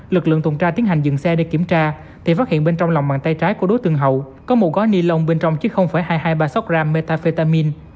lực lượng tuần tra tiến hành dừng xe để kiểm tra thì phát hiện bên trong lòng bàn tay trái của đối tượng hậu có một gói nilon bên trong chứ không phải hai trăm hai mươi ba sốc gram metafetamin